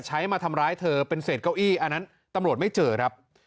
มาทำร้ายเธอเป็นเศษเก้าอี้อันนั้นตำรวจไม่เจอครับ